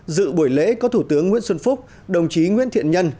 dự buổi lễ có thủ tướng nguyễn xuân phúc đồng chí nguyễn thiện nhân